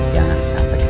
jangan sampai kecoh